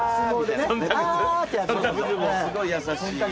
すごい優しい。